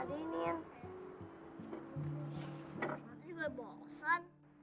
anaknya itu mau sepelajarin